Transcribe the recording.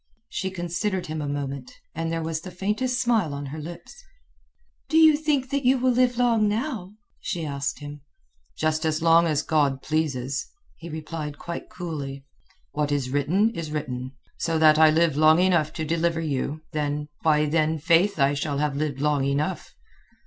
She considered him a moment, and there was the faintest smile on her lips. "Do you think that you will live long now?" she asked him. "Just as long as God pleases," he replied quite coolly. "What is written is written. So that I live long enough to deliver you, then... why, then, faith I shall have lived long enough."